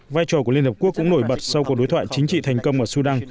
vai trò của liên hợp quốc cũng nổi bật sau cuộc đối thoại chính trị thành công ở sudan